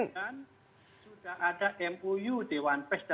sudah ada mou dewan pers dan